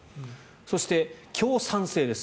そして、強酸性です。